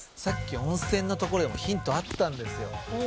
さっき温泉のところでもヒントあったんですよ。